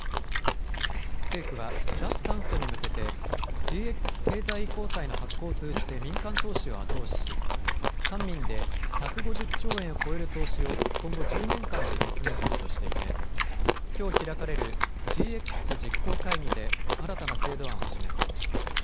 政府は脱炭素に向けて、ＧＸ経済移行債の発行を通じて民間投資を後押しし、官民で１５０兆円を超える投資を今後１０年間で実現するとしていて、きょう開かれるＧＸ実行会議で、新たな制度案を示す方針です。